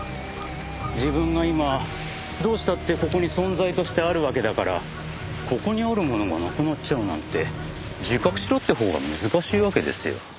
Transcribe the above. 自分は今どうしたってここに存在としてあるわけだからここにあるものがなくなっちゃうなんて自覚しろってほうが難しいわけですよ。